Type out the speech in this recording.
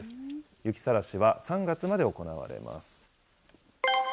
雪さらしは３月まで行われます。